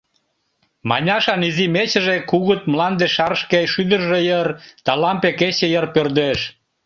Маняшан изи мечыже кугыт мланде шар шке шӱдыржӧ йыр да лампе-кече йыр пӧрдеш.